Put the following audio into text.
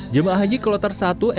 jemaah haji kalau tersangkut